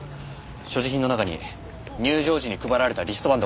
所持品の中に入場時に配られたリストバンドがありました。